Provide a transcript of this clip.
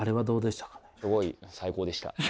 すごい最高でした。